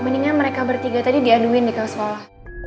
mendingan mereka bertiga tadi diaduin di sekolah